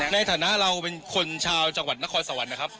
ในฐานะเราเป็นคนชาวจังหวัดนครสวรรค์นะครับ